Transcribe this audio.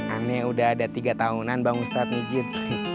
aneh sudah ada tiga tahunan bang ustadz menjijit